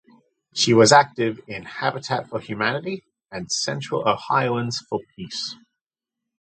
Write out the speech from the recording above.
She was active in Habitat for Humanity and Central Ohioans for Peace.